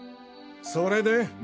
それで？